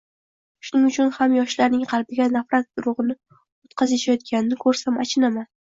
Shuning uchun ham yoshlarning qalbiga nafrat urug‘ini o‘tqazishayotganini ko‘rsam — achinaman.